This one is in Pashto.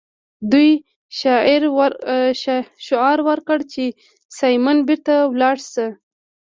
دوی شعار ورکړ چې سایمن بیرته لاړ شه.